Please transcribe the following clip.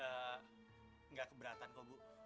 enggak keberatan kok bu